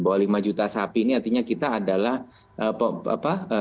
bahwa lima juta sapi ini artinya kita adalah apa